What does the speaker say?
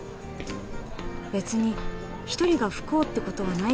べつに一人が不幸ってことはない